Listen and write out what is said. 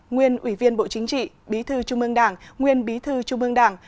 nguyên ủy viên bộ chính trị bí thư trung mương đảng nguyên bí thư trung mương đảng